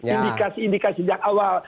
indikasi indikasi sejak awal